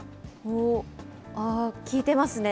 聴いてますね。